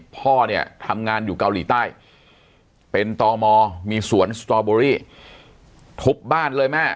พ่อเนี่ยทำงานอยู่เกาหลีใต้เป็นตมมีสวนสตอเบอรี่ทุบบ้านเลยแม่